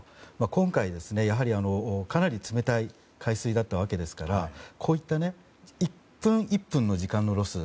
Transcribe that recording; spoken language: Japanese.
今回、かなり冷たい海水だったわけですからこういった１分１分の時間のロス